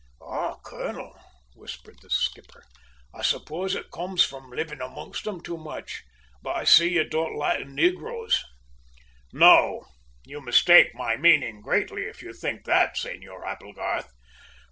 "Ah, colonel," whispered the skipper. "I suppose it comes from living amongst them too much, but I see you don't like negroes." "No; you mistake my meaning greatly if you think that, Senor Applegarth.